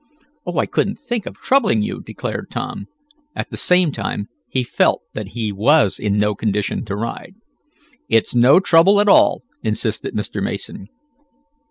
"Oh, I couldn't think of troubling you," declared Tom. At the same time he felt that he was in no condition to ride. "It's no trouble at all," insisted Mr. Mason.